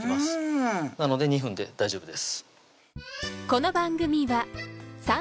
うんなので２分で大丈夫です